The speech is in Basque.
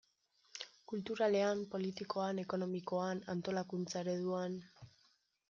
Kulturalean, politikoan, ekonomikoan, antolakuntza ereduan...